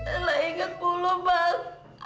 ella inget bulu bang